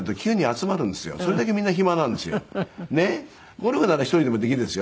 ゴルフなら１人でもできるでしょ。